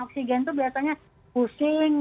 oksigen itu biasanya pusing